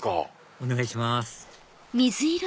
お願いします